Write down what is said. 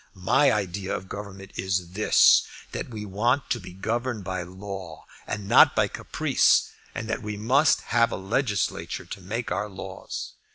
My idea of government is this, that we want to be governed by law and not by caprice, and that we must have a legislature to make our laws.